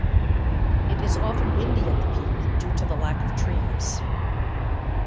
It is often windy at the peak, due to the lack of trees.